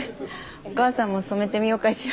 お母さんも染めてみようかしら。